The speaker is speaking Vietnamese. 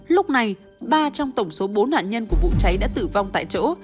lúc này ba trong tổng số bốn nạn nhân của vụ cháy đã tử vong tại chỗ